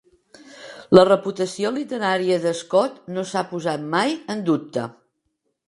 La reputació literària de Scott no s'ha posat mai en dubte.